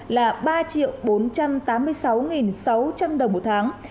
là ba bốn trăm tám mươi sáu sáu trăm linh đồng một tháng